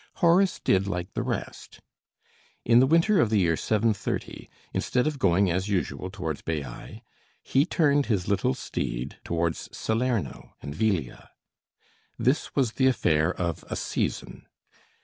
Horace did like the rest. In the winter of the year 730, instead of going as usual towards Baiæ, he turned his little steed towards Salerno and Velia. This was the affair of a season.